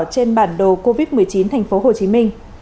trên bản đồ covid một mươi chín tp hcm